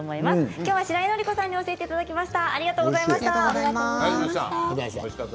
きょうはしらいのりこさんに教えていただきました。